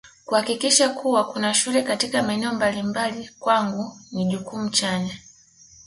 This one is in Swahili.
Kuhakikisha kuwa kuna shule katika maeneo mbalimbali kwangu ni jukumu chanya